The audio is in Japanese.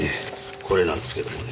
これなんですけどもね。